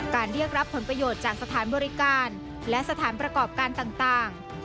เรียกรับผลประโยชน์จากสถานบริการและสถานประกอบการต่าง